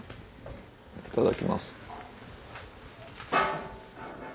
いただきます。